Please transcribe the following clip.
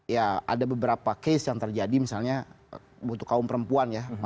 ya ada beberapa case yang terjadi misalnya untuk kaum perempuan ya